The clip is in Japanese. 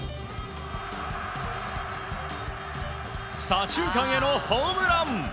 左中間へのホームラン！